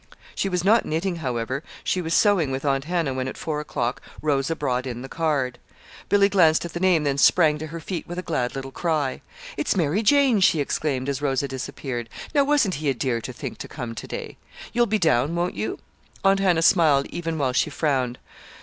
She was not knitting, however, she was sewing with Aunt Hannah when at four o'clock Rosa brought in the card. Billy glanced at the name, then sprang to her feet with a glad little cry. "It's Mary Jane!" she exclaimed, as Rosa disappeared. "Now wasn't he a dear to think to come to day? You'll be down, won't you?" Aunt Hannah smiled even while she frowned.